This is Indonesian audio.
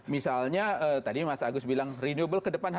misalnya tadi mas agus bilang renewable kedepannya